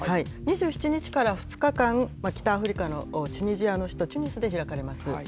２７日から２日間、北アフリカのチュニジアの首都チュニスで開かれます。